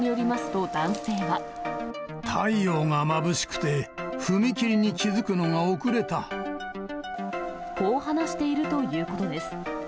太陽がまぶしくて、こう話しているということです。